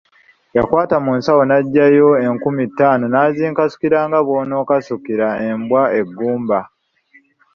Yakwata mu nsawo n'aggyayo enkumi ttaano n'azinkasukira nga bw'onaakasukira embwa eggumba.